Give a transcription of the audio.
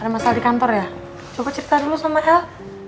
ada masalah di kantor ya coba cipta dulu sama hel